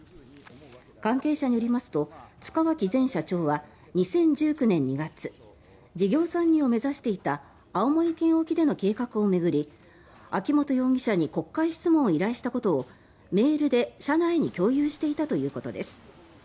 関係者によりますと塚脇前社長は２０１９年２月事業参入を目指していた青森県沖での計画を巡り秋本容疑者に国会質問を依頼したことをメールで社内に共有していたということです。